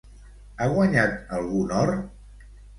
Ha guanyat algun or?